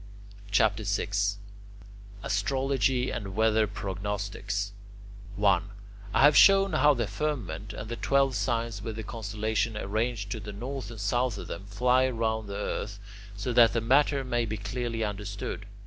CHAPTER VI ASTROLOGY AND WEATHER PROGNOSTICS 1. I have shown how the firmament, and the twelve signs with the constellations arranged to the north and south of them, fly round the earth, so that the matter may be clearly understood.